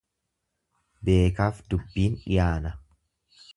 Beekaaf dubbiin dhiyaana.